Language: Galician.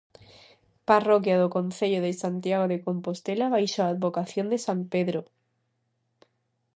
Parroquia do concello de Santiago de Compostela baixo a advocación de san Pedro.